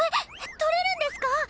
取れるんですか？